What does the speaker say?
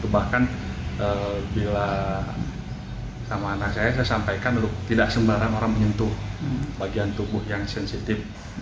bahkan bila sama anak saya saya sampaikan tidak sembarang orang menyentuh bagian tubuh yang sensitif